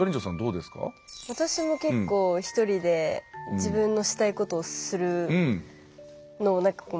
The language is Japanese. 私も結構、一人で自分のしたいことをするのを。